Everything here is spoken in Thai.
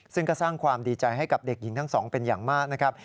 ซึ่งก็สร้างความดีใจให้กับเด็กหญิงทั้งสองเป็นอย่างมากนะครับ